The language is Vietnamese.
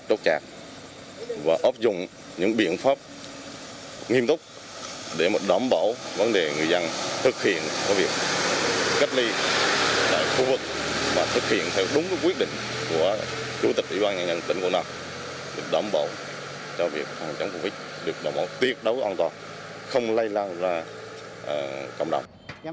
chúng ta sẽ dùng những biện pháp nghiêm túc để đảm bảo vấn đề người dân thực hiện việc cách ly tại khu vực và thực hiện theo đúng quyết định của chủ tịch ủy ban nhà nhân tỉnh quảng nam để đảm bảo cho việc phòng chống covid được đảm bảo tuyệt đối an toàn không lây lao ra cộng đồng